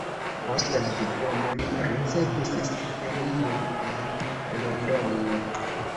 Post la diplomo li ricevis stipendion en Londono.